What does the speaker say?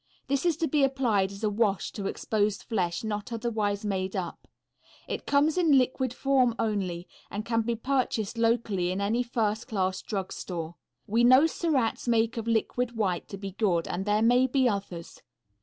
This is to be applied as a wash to exposed flesh not otherwise made up. It comes in liquid form only, and can be purchased locally in any first class drug store. We know Suratt's make of liquid white to be good, and there may be others.